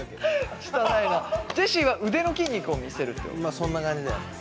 まっそんな感じだよね。